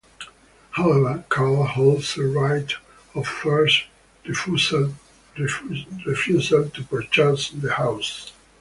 However, Carl holds a right of first refusal to purchase the house.